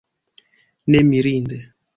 Ne mirinde!